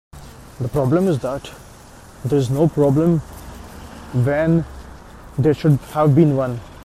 The problem is that there is no problem when there should have been one.